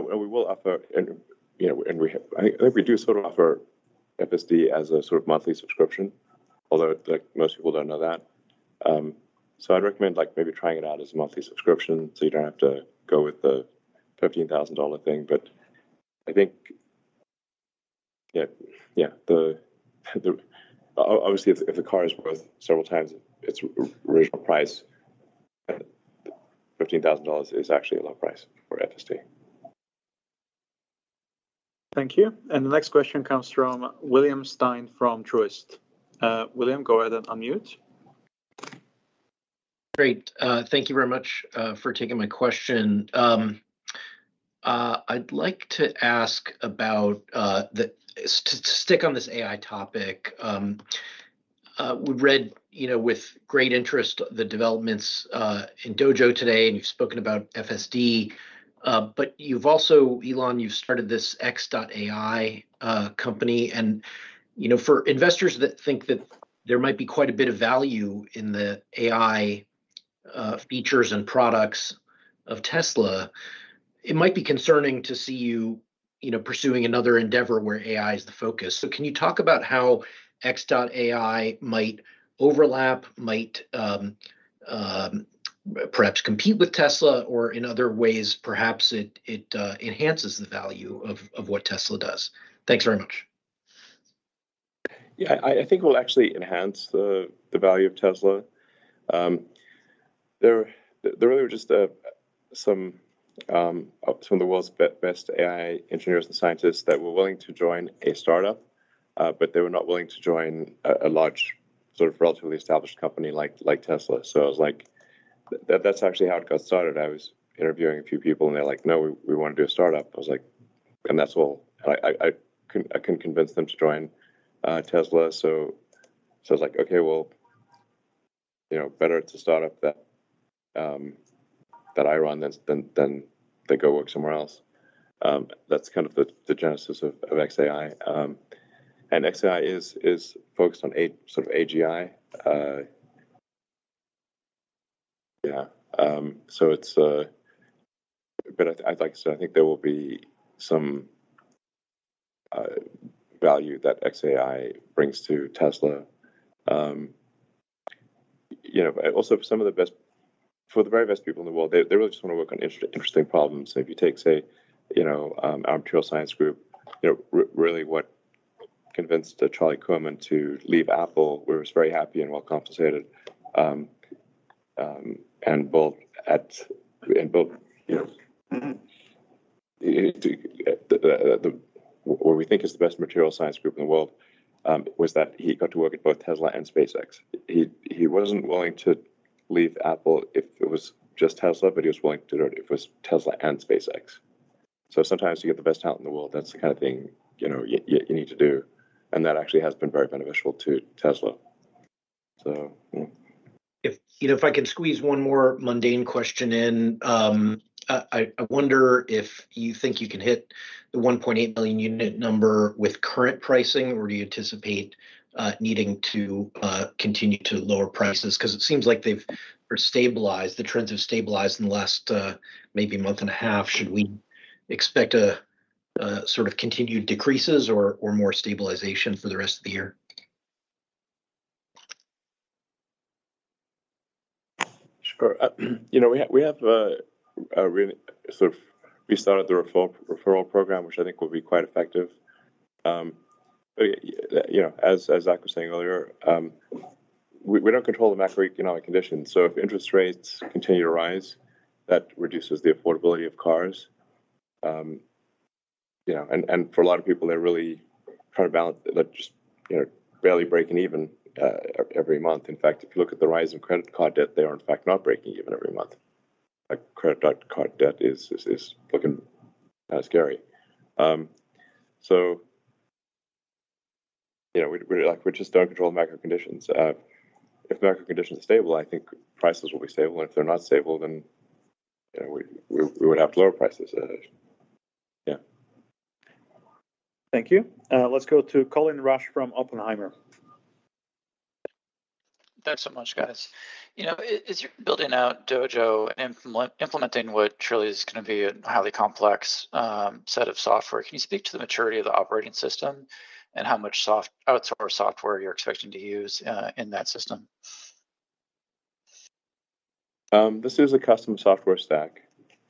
we will offer, and you know, I think we do sort of offer FSD as a sort of monthly subscription, although, like, most people don't know that. I'd recommend, like, maybe trying it out as a monthly subscription, so you don't have to go with the $15,000 thing. I think, yeah, the obviously, if a car is worth several times its original price, then $15,000 is actually a low price for FSD. Thank you. The next question comes from William Stein from Truist. William, go ahead and unmute. Great. Thank you very much for taking my question. I'd like to ask about to stick on this AI topic. We've read, you know, with great interest, the developments in Dojo today, and you've spoken about FSD. You've also, Elon, you've started this xAI company, and, you know, for investors that think that there might be quite a bit of value in the AI features and products of Tesla, it might be concerning to see you know, pursuing another endeavor where AI is the focus. Can you talk about how xAI might overlap, might perhaps compete with Tesla, or in other ways, perhaps it enhances the value of what Tesla does? Thanks very much. I think we'll actually enhance the value of Tesla. There really were just some of the world's best AI engineers and scientists that were willing to join a startup, but they were not willing to join a large, sort of relatively established company like Tesla. I was like. That's actually how it got started. I was interviewing a few people, and they're like, "No, we want to do a startup." I was like, "That's all?" I couldn't convince them to join Tesla. So I was like, "Okay, well, you know, better it's a startup that I run than they go work somewhere else." That's kind of the genesis of xAI. xAI is focused on sort of AGI. Yeah. I'd like to say, I think there will be some value that xAI brings to Tesla. You know, also, for the very best people in the world, they really just want to work on interesting problems. If you take, say, you know, our material science group, you know, really what convinced Charles Kuehmann to leave Apple, where he was very happy and well compensated, and both, you know, what we think is the best material science group in the world, was that he got to work at both Tesla and SpaceX. He wasn't willing to leave Apple if it was just Tesla, but he was willing to do it if it was Tesla and SpaceX. sometimes you get the best talent in the world, that's the kind of thing, you know, you need to do. That actually has been very beneficial to Tesla. Yeah. If, you know, if I could squeeze one more mundane question in, I wonder if you think you can hit the 1.8 million unit number with current pricing, or do you anticipate needing to continue to lower prices? It seems like they've stabilized, the trends have stabilized in the last maybe month and a half. Should we expect sort of continued decreases or more stabilization for the rest of the year? Sure. You know, we have really sort of restarted the referral program, which I think will be quite effective. You know, as Zach was saying earlier, we don't control the macroeconomic conditions, so if interest rates continue to rise, that reduces the affordability of cars. You know, and for a lot of people, they're really trying to balance just, you know, barely breaking even every month. In fact, if you look at the rise in credit card debt, they are, in fact, not breaking even every month. Like, credit card debt is looking scary. You know, we, like, we just don't control the macro conditions. If macro conditions are stable, I think prices will be stable, and if they're not stable, then, you know, we would have to lower prices. Yeah. Thank you. Let's go to Colin Rusch from Oppenheimer. Thanks so much, guys. You know, as you're building out Dojo and implementing what truly is gonna be a highly complex set of software, can you speak to the maturity of the operating system and how much outsourced software you're expecting to use in that system? This is a custom software stack,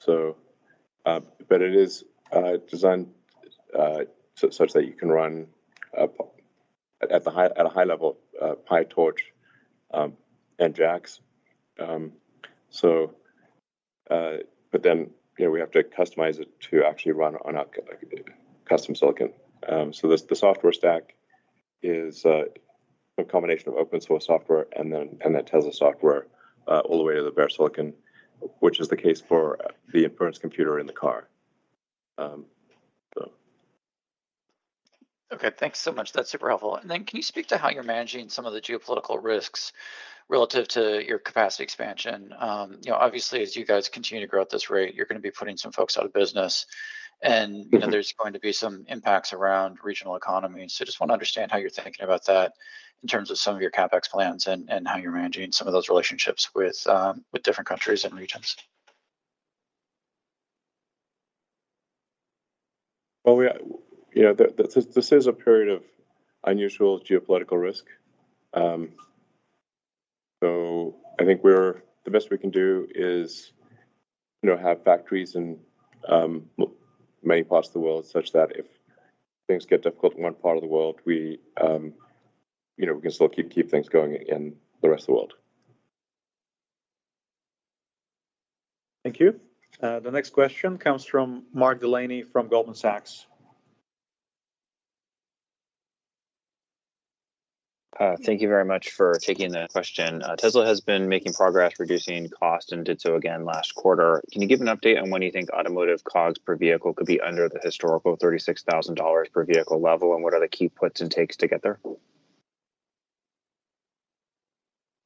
it is designed such that you can run at a high level PyTorch and JAX. You know, we have to customize it to actually run on our custom silicon. The software stack is a combination of open source software and then Tesla software, all the way to the bare silicon, which is the case for the inference computer in the car. Okay, thanks so much. That's super helpful. Can you speak to how you're managing some of the geopolitical risks relative to your capacity expansion? You know, obviously, as you guys continue to grow at this rate, you're gonna be putting some folks out of business. Mm-hmm ... you know, there's going to be some impacts around regional economies. just want to understand how you're thinking about that in terms of some of your CapEx plans and how you're managing some of those relationships with different countries and regions. Well, we, you know, the, this is a period of unusual geopolitical risk. I think the best we can do is, you know, have factories in many parts of the world, such that if things get difficult in one part of the world, we, you know, we can still keep things going in the rest of the world. Thank you. The next question comes from Mark Delaney from Goldman Sachs. Thank you very much for taking the question. Tesla has been making progress reducing cost, and did so again last quarter. Can you give an update on when you think automotive COGS per vehicle could be under the historical $36,000 per vehicle level? What are the key puts and takes to get there?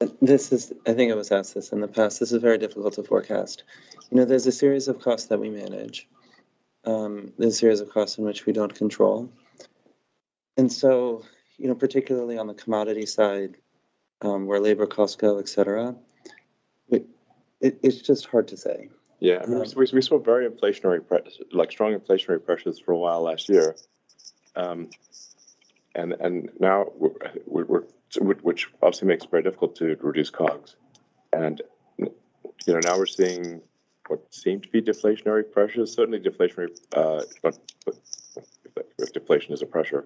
I think I was asked this in the past. This is very difficult to forecast. You know, there's a series of costs that we manage, there's a series of costs in which we don't control. You know, particularly on the commodity side, where labor costs go, et cetera, it's just hard to say. Yeah. I mean. We saw very inflationary like, strong inflationary pressures for a while last year. Now we're, which obviously makes it very difficult to reduce COGS. You know, now we're seeing what seem to be deflationary pressures, certainly deflationary, but if deflation is a pressure.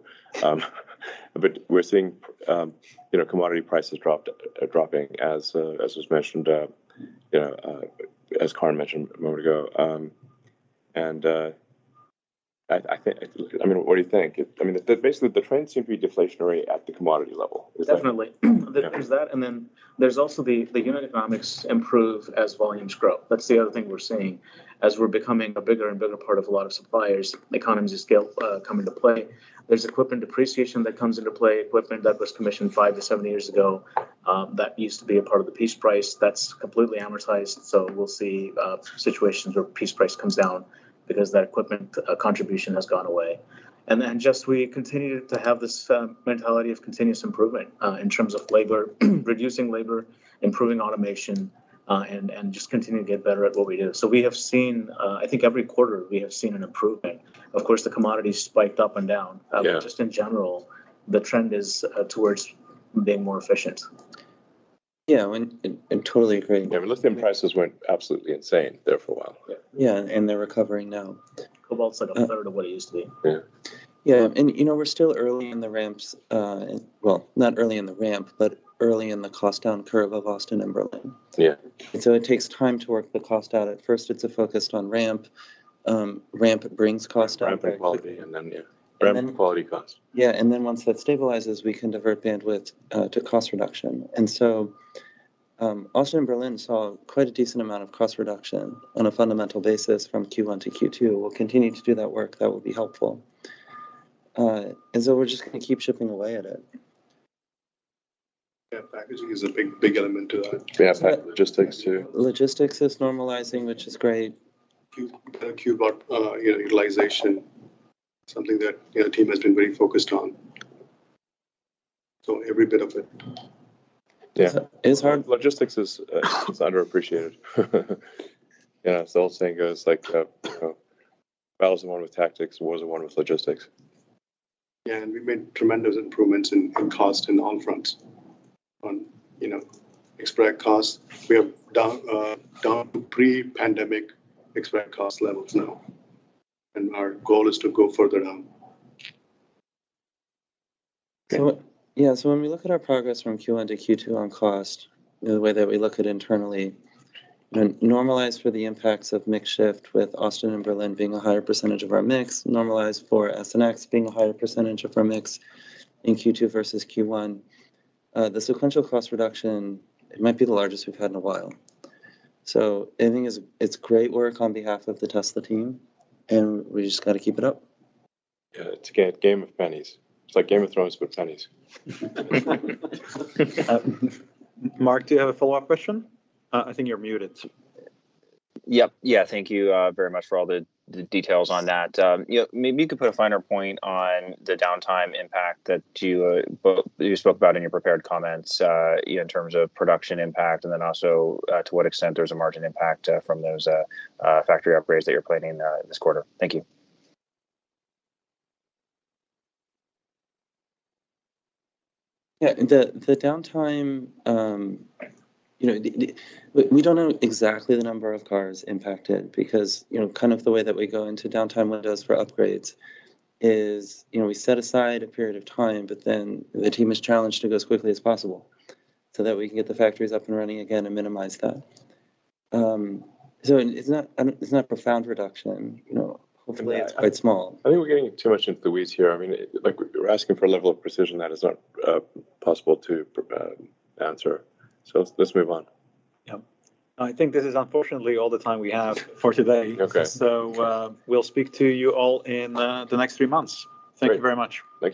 We're seeing, you know, commodity prices dropped, dropping as was mentioned, you know, as Karen mentioned a moment ago. I think. I mean, what do you think? I mean, the basically, the trends seem to be deflationary at the commodity level. Definitely. Yeah. There's that, and then there's also the unit economics improve as volumes grow. That's the other thing we're seeing. As we're becoming a bigger and bigger part of a lot of suppliers, economies of scale come into play. There's equipment depreciation that comes into play, equipment that was commissioned 5 to 7 years ago, that used to be a part of the piece price that's completely amortized. We'll see situations where piece price comes down because that equipment contribution has gone away. Just we continue to have this mentality of continuous improvement in terms of labor, reducing labor, improving automation, and just continuing to get better at what we do. We have seen I think every quarter we have seen an improvement. Of course, the commodity spiked up and down- Yeah Just in general, the trend is towards being more efficient. Yeah, totally agree. Yeah, lithium prices went absolutely insane there for a while. Yeah, they're recovering now. Cobalt's, like, a third of what it used to be. Yeah. Yeah, you know, we're still early in the ramps. Well, not early in the ramp, but early in the cost down curve of Austin and Berlin. Yeah. It takes time to work the cost out. At first, it's focused on ramp. Ramp brings cost down. Ramp quality, and then, yeah. And then- Ramp quality costs. Yeah, once that stabilizes, we can divert bandwidth, to cost reduction. Austin and Berlin saw quite a decent amount of cost reduction on a fundamental basis from Q1 to Q2. We'll continue to do that work. That will be helpful. We're just gonna keep chipping away at it. Yeah, packaging is a big element to that. Yeah, logistics too. Logistics is normalizing, which is great. Q-Bot, you know, utilization, something that, you know, the team has been very focused on. Every bit of it. Yeah. It's. Logistics is underappreciated. It's the old saying goes like, "Battle is won with tactics, wars are won with logistics. Yeah, we made tremendous improvements in cost and on fronts on, you know, OpEx costs. We are down to pre-pandemic expect cost levels now, our goal is to go further down. When we look at our progress from Q1 to Q2 on cost, the way that we look at internally, and normalized for the impacts of mix shift, with Austin and Berlin being a higher % of our mix, normalized for S and X being a higher % of our mix in Q2 versus Q1, the sequential cost reduction, it might be the largest we've had in a while. I think it's great work on behalf of the Tesla team, and we just got to keep it up. It's a game of pennies. It's like Game of Thrones, but pennies. Mark, do you have a follow-up question? I think you're muted. Yep. Yeah, thank you very much for all the details on that. You know, maybe you could put a finer point on the downtime impact that you spoke about in your prepared comments, in terms of production impact, and then also, to what extent there's a margin impact, from those factory upgrades that you're planning this quarter. Thank you. The downtime, you know, we don't know exactly the number of cars impacted because, you know, kind of the way that we go into downtime windows for upgrades is, you know, we set aside a period of time, but then the team is challenged to go as quickly as possible, so that we can get the factories up and running again and minimize that. It's not a profound reduction, you know, hopefully. Yeah... it's quite small. I think we're getting too much into the weeds here. I mean, like, we're asking for a level of precision that is not possible to answer. Let's move on. Yep. I think this is unfortunately all the time we have for today. Okay. We'll speak to you all in the next 3 months. Great. Thank you very much. Thank you.